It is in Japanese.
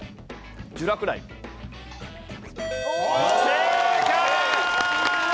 正解！